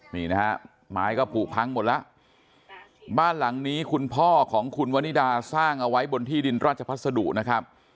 นี่นะฮะไม้ก็ผูกพังหมดแล้วบ้านหลังนี้คุณพ่อของคุณวนิดาสร้างเอาไว้บนที่ดินราชภัสดุนะครับ